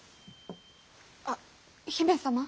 あっ姫様。